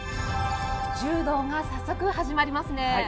柔道が早速、始まりますね。